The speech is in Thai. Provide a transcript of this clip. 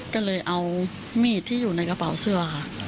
ก็เลยเอามีดที่อยู่ในกระเป๋าเสื้อค่ะ